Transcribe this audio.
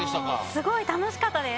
すごい楽しかったです。